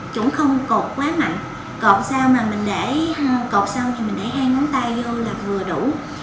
chủng không cột quá mạnh cột sau mình để hai ngón tay vô là vừa đủ